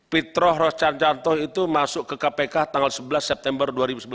fitroh roca yanto itu masuk ke kpk tanggal sebelas september dua ribu sebelas